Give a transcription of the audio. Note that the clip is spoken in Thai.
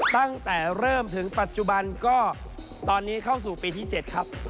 ตั้งแต่เริ่มถึงปัจจุบันก็ตอนนี้เข้าสู่ปีที่๗ครับ